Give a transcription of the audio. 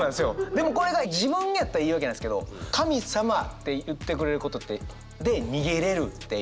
でもこれが自分やったら言い訳なんですけど「神様」って言ってくれることで逃げれるっていう。